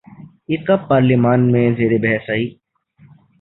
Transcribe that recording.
یہ کب پارلیمان میں زیر بحث آئی؟